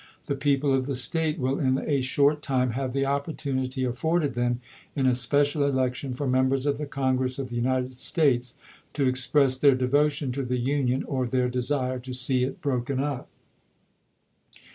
•.. The people of the State will in a short Moore,' time have the opportunity afforded them, in a special "^q^o^^I'^^ election for Members of the Congress of the United voi. r.,poc States, to express then* devotion to the Union, or their p. 77. ' desire to see it broken up.